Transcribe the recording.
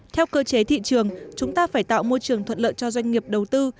theo cơ chế thị trường chúng ta phải tạo môi trường thuận lợi cho doanh nghiệp đầu tư